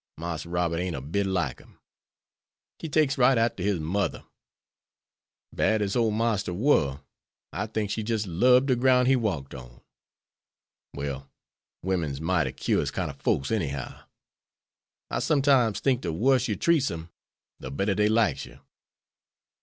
Marse Robert ain't a bit like him. He takes right arter his mother. Bad as ole Marster war, I think she jis' lob'd de groun' he walked on. Well, women's mighty curious kind of folks anyhow. I sometimes thinks de wuss you treats dem de better dey likes you."